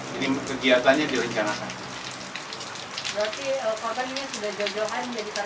berarti korban ini sudah jodohan jadi targetnya mereka